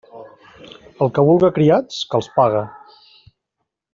El que vulga criats, que els pague.